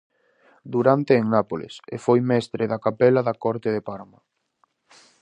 Durante en Nápoles e foi mestre de capela da corte de Parma.